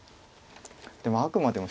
でもあくまでも。